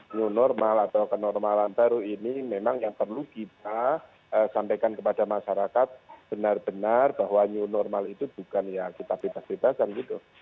jadi kemungkinan normal atau kenormalan baru ini memang yang perlu kita sampaikan kepada masyarakat benar benar bahwa nyunormal itu bukan yang kita bebas bebasan gitu